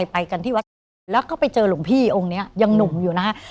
ไปกันที่วัดเก่าแล้วก็ไปเจอหลวงพี่องค์นี้ยังหนุ่มอยู่นะฮะ